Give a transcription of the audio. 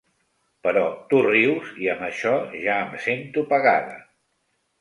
Però tu rius, i amb això ja em sento pagada.